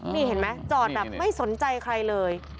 นี่เห็นไหมจอดแบบไม่สนใจใครเลย